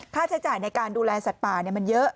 ค่าใช้จ่ายในการดูแลสัตว์ป่ามันเยอะ